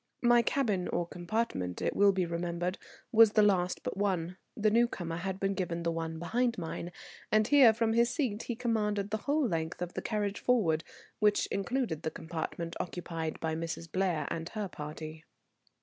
My cabin or compartment, it will be remembered, was the last but one; the newcomer had been given the one behind mine, and here from his seat he commanded the whole length of the carriage forward, which included the compartment occupied by Mrs. Blair and her party.